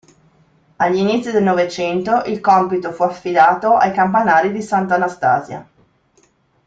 Agli inizi del Novecento il compito fu affidato ai campanari di S. Anastasia.